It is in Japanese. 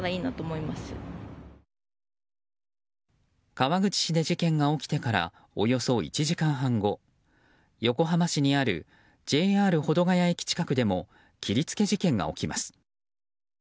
川口市で事件が起きてからおよそ１時間半後横浜市にあるＪＲ保土ヶ谷駅近くでも切り付け事件が起きます。